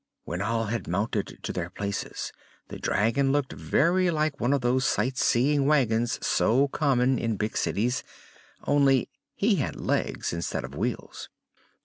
When all had mounted to their places the dragon looked very like one of those sightseeing wagons so common in big cities only he had legs instead of wheels.